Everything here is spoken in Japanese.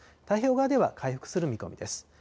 太平洋側では、回復する見込みです。